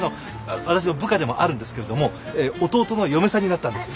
私の部下でもあるんですけれども弟の嫁さんになったんです。